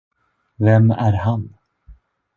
Vem är han?